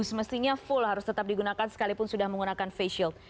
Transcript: semestinya full harus tetap digunakan sekalipun sudah menggunakan face shield